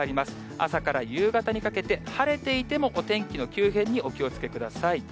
朝から夕方にかけて、晴れていても、お天気の急変にお気をつけください。